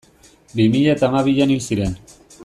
Bi mila eta hamabian hil ziren.